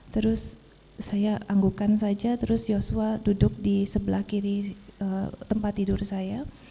terus saya anggukan saja terus joshua duduk di sebelah kiri tempat tidur saya